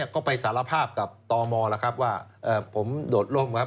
ก็ไปสารภาพกับตมว่าผมโดดล่มครับ